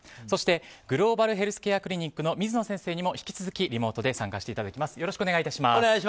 そしてグローバルヘルスケアクリニックの水野先生にも引き続きリモートで参加していただきます。